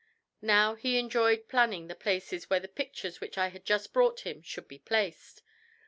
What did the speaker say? How he enjoyed planning the places where the pictures which I had just brought him should be placed!